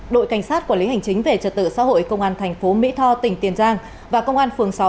đội cảnh sát quản lý hành chính về trật tự xã hội công an thành phố mỹ tho tỉnh tiền giang và công an phường sáu